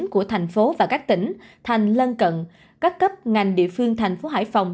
của thành phố và các tỉnh thành lân cận các cấp ngành địa phương thành phố hải phòng